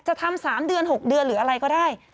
จะทำ๓เดือน๖เดือนหรืออะไรก็ได้